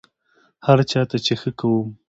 هر چا ته چې ښه کوم،